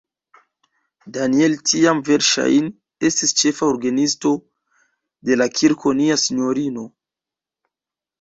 Daniel tiam verŝajne estis ĉefa orgenisto de la Kirko Nia Sinjorino.